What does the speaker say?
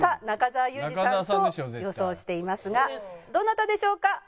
中澤佑二さんと予想していますがどなたでしょうか？